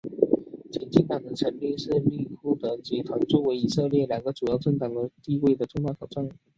前进党的成立是利库德集团作为以色列两个主要政党之一地位的重大挑战。